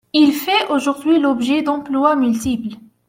Il fait aujourd'hui l'objet d'emplois multiples.